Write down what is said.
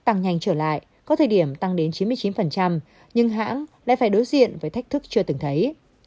tăng nhanh trở lại có thời điểm tăng đến chín mươi chín nhưng hãng lại phải đối diện với thách thức chưa từng thấy